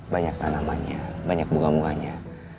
banyak tanamannya banyak bunga bunganya